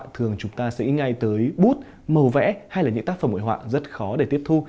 thường chúng ta sẽ ngay tới bút màu vẽ hay là những tác phẩm hội họa rất khó để tiếp thu